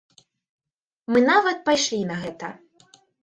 Мы нават пайшлі на гэта.